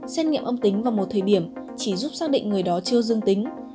xét nghiệm âm tính vào một thời điểm chỉ giúp xác định người đó chưa dương tính